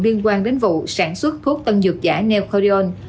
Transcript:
liên quan đến vụ sản xuất thuốc tân dược giả neoon